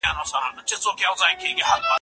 ته ولي مکتب خلاصیږې؟